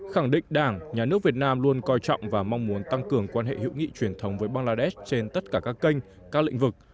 khẳng định đảng nhà nước việt nam luôn coi trọng và mong muốn tăng cường quan hệ hữu nghị truyền thống với bangladesh trên tất cả các kênh các lĩnh vực